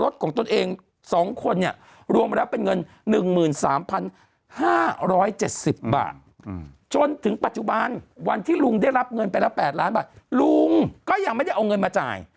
ทั้งสามหลายบาทลูงก็ยังไม่ได้เอาเงินมาจ่าย